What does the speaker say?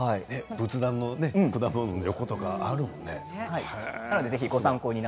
仏壇の果物の横とかあるもんね。